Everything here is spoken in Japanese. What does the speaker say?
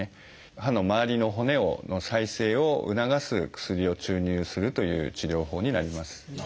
歯の周りの骨の再生を促す薬を注入するという治療法になります。